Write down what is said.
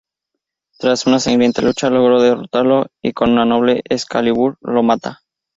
Tras una sangrienta lucha logra derrotarlo y con una doble Excalibur lo mata.